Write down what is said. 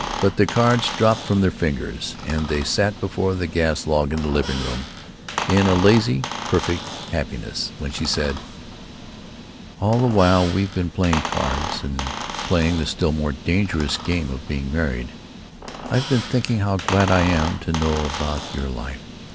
But the cards dropped from their fingers, and they sat before the gas log in the living room, in a lazy, perfect happiness, when she said: "All the while we've been playing cards—and playing the still more dangerous game of being married—I've been thinking how glad I am to know about your life.